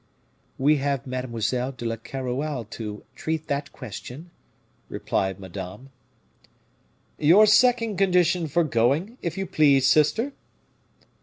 "We have Mademoiselle de Keroualle to treat that question," replied Madame. "Your second condition for going, if you please, sister?"